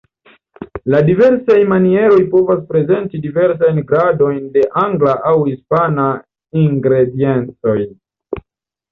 La diversaj manieroj povas prezenti diversajn gradojn de angla aŭ hispana ingrediencoj.